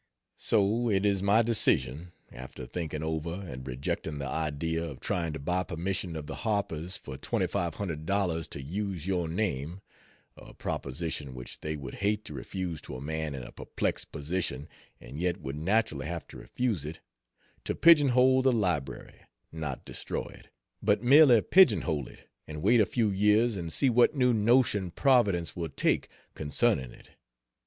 So, it is my decision, after thinking over and rejecting the idea of trying to buy permission of the Harpers for $2,500 to use your name, (a proposition which they would hate to refuse to a man in a perplexed position, and yet would naturally have to refuse it,) to pigeon hole the "Library": not destroy it, but merely pigeon hole it and wait a few years and see what new notion Providence will take concerning it.